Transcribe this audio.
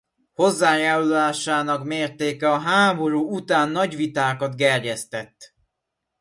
Hozzájárulásának mértéke a háború után nagy vitákat gerjesztett.